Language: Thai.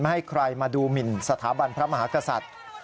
ให้ใครมาดูหมินสถาบันพระมหากษัตริย์